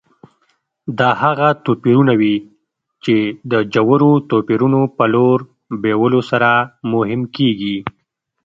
دا هغه توپیرونه وي چې د ژورو توپیرونو په لور بیولو سره مهم کېږي.